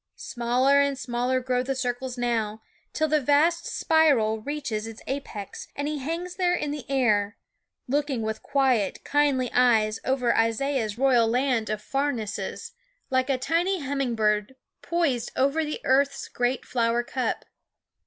Smaller and smaller grow the circles now, till the vast spiral reaches its apex, and he hangs there in the air, looking with quiet, kindling eyes over Isaiah's royal land of " farnesses," like a tiny humming bird poised over the earth's great flower cup.